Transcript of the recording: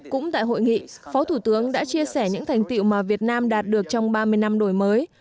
cũng tại hội nghị phó thủ tướng đã chia sẻ những thành tiệu mà việt nam đạt được trong ba mươi năm đổi mới